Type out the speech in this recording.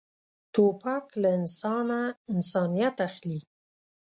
توپک له انسانه انسانیت اخلي.